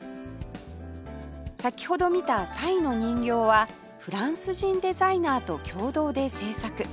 先ほど見たサイの人形はフランス人デザイナーと共同で制作